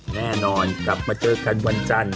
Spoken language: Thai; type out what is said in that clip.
แน่นอนกลับมาเจอกันวันจันทร์